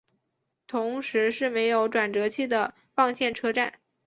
同时是没有转辙器的棒线车站。